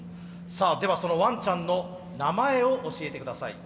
ではそのワンちゃんの名前を教えて下さい。